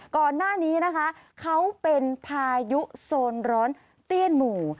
ก่อนหน้านี้นะคะเขาเป็นพายุโซนร้อนเตี้ยนหมู่